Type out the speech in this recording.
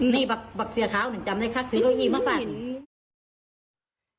นี่บักบักเสียขาวหนึ่งจำได้ค่ะถืออีกมากกว่าอืม